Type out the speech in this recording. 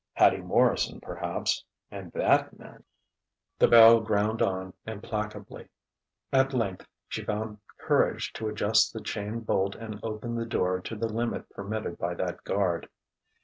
Hattie Morrison, perhaps.... And that meant.... The bell ground on implacably. At length she found courage to adjust the chain bolt and open the door to the limit permitted by that guard.